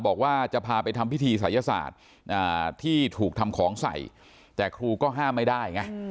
บอกว่าจะพาไปทำพิธีศัยศาสตร์ที่ถูกทำของใส่แต่ครูก็ห้ามไม่ได้ไง